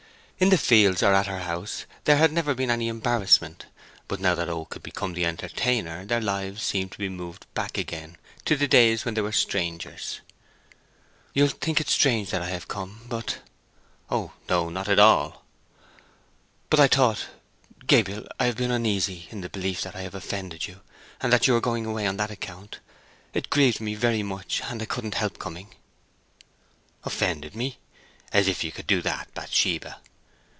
In the fields, or at her house, there had never been any embarrassment; but now that Oak had become the entertainer their lives seemed to be moved back again to the days when they were strangers. "You'll think it strange that I have come, but—" "Oh no; not at all." "But I thought—Gabriel, I have been uneasy in the belief that I have offended you, and that you are going away on that account. It grieved me very much and I couldn't help coming." "Offended me! As if you could do that, Bathsheba!"